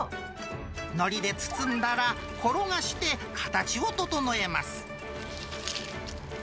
のりで包んだら、転がして形を整えます。